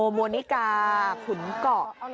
หมวนิกาขุนขส